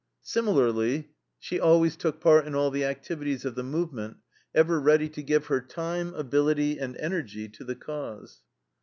Similarly she always took part in all the activities of the movement, ever ready to give her time, ability, and energy to the Cause.